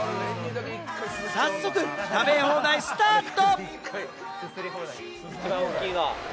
早速食べ放題、スタート！